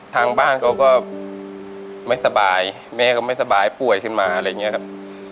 ทางบ้านเขาก็ไม่สบายแม่ก็ไม่สบายป่วยขึ้นมาอะไรอย่างนี้ครับ